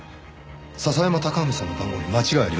笹山隆文さんの番号に間違いありません。